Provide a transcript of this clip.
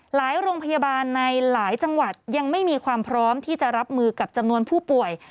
โรงพยาบาลในหลายจังหวัดยังไม่มีความพร้อมที่จะรับมือกับจำนวนผู้ป่วย